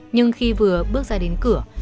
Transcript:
nhưng khi vừa bước ra đến cửa